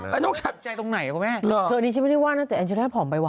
ถูกน้องชัดเธอนี่ฉันไม่ได้ว่าน่ะแต่แอนเจลแฮ่ผอมไปว่ะ